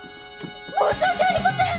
申し訳ありません！